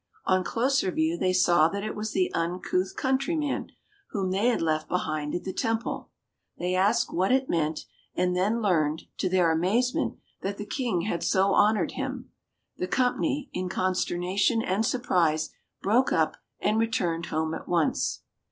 On closer view they saw that it was the uncouth countryman whom they had left behind at the Temple. They asked what it meant, and then learned, to their amazement, that the King had so honoured him. The company, in consternation and surprise, broke up and returned home at once.